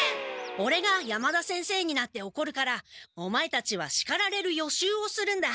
オレが山田先生になっておこるからオマエたちはしかられる予習をするんだ。